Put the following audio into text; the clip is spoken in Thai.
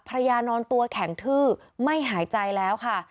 นอนตัวแข็งทื้อไม่หายใจแล้วค่ะ